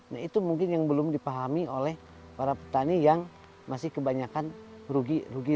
nah itu mungkin yang belum dipahami oleh para petani yang masih kebanyakan rugi rugi